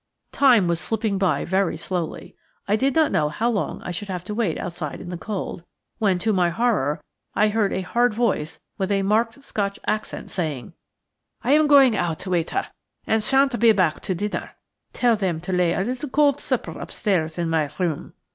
Time was slipping by very slowly. I did not know how long I should have to wait outside in the cold, when, to my horror, I heard a hard voice, with a marked Scotch accent, saying: "I am going out, waiter, and shan't be back to dinner. Tell them to lay a little cold supper upstairs in my room."